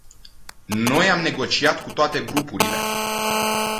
Noi am negociat cu toate grupurile.